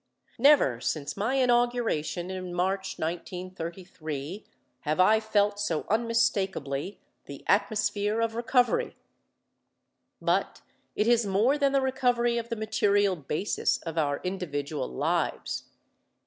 Never since my inauguration in March, 1933, have I felt so unmistakably the atmosphere of recovery. But it is more than the recovery of the material basis of our individual lives.